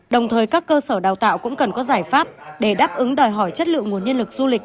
đồng thời các cơ sở đào tạo cũng cần có giải pháp để đáp ứng đòi hỏi chất lượng nguồn nhân lực du lịch